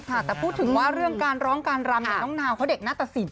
แต่พูดถึงว่าเรื่องการร้องการรำเนี่ยน้องนาวเขาเด็กหน้าตสิน